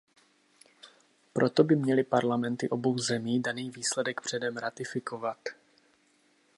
Proto by měly parlamenty obou zemí daný výsledek předem ratifikovat.